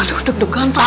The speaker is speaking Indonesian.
aduh duk duk ganteng